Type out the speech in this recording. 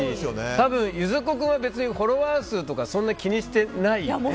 多分、ゆづっこ君はフォロワー数とかそんなに気にしてないよね。